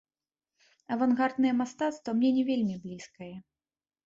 Авангарднае мастацтва мне не вельмі блізкае.